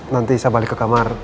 nanti saya balik ke kamar